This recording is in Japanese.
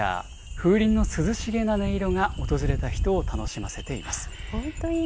風鈴の涼しげな音色が訪れた人を楽しませています。